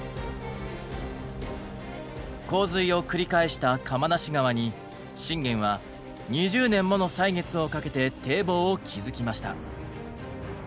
洪水を繰り返した釜無川に信玄は２０年もの歳月をかけて堤防を築きました。